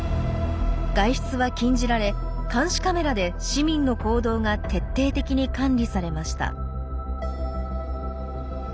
外出は禁じられ監視カメラで市民の行動が徹底的に管理されました。